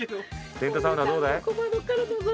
テントサウナどうだい？